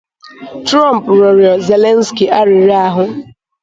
Trump riọrọ Zelensky arịrọ ahụ